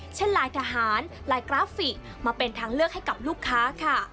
เช่นลายทหารลายกราฟิกมาเป็นทางเลือกให้กับลูกค้าค่ะ